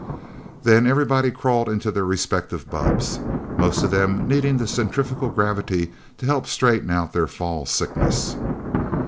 Then everybody crawled into their respective bubbs, most of them needing the centrifugal gravity to help straighten out their fall sickness.